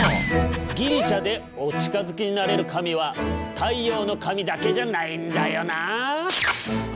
ギリシャでお近づきになれる神は太陽の神だけじゃないんだよなあ。